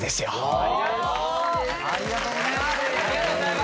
「ありがとうございます！」